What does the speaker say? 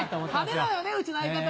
派手だよねうちの相方。